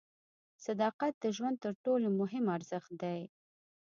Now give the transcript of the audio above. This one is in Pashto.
صداقت د ژوند تر ټولو مهم ارزښت دی.